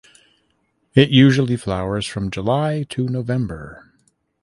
It usually flowers from July to November.